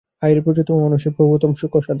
হায় রে, প্রচুরতম মানুষের প্রভূততম সুখসাধন!